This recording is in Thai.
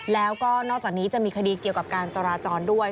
แล้วก็นอกจากนี้จะมีคดีเกี่ยวกับการจราจรด้วย